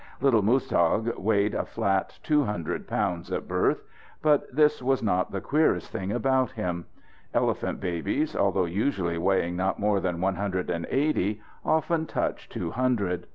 Little Muztagh weighed a flat two hundred pounds at birth. But this was not the queerest thing about him. Elephant babies, although usually weighing not more than one hundred and eighty, often touch two hundred.